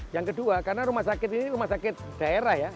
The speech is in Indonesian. yang kedua karena rumah sakit ini rumah sakit daerah ya